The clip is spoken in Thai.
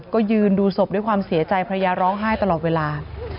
ก็ยืนดูศพด้วยความเสียใจภรรยาร้องไห้ตลอดเวลา